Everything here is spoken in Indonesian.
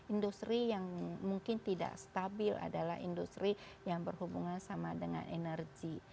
industri yang mungkin tidak stabil adalah industri yang berhubungan sama dengan energi